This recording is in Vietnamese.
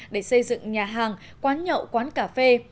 để xây dựng nhà hàng quán nhậu quán cà phê